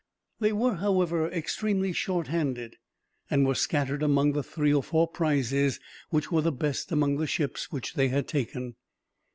They were, however, extremely shorthanded, and were scattered among the three or four prizes which were the best among the ships which they had taken.